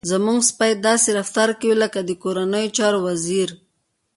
زموږ سپی داسې رفتار کوي لکه د کورنیو چارو وزير.